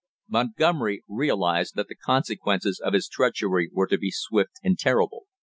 Montgomery realized that the consequences of his treachery were to be swift and terrible.